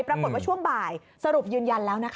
ปรากฏว่าช่วงบ่ายสรุปยืนยันแล้วนะคะ